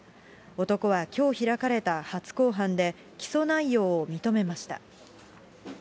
男はきょう開かれた初公判で、起訴内容を認めました。